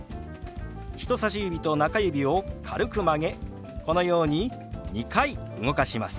人さし指と中指を軽く曲げこのように２回動かします。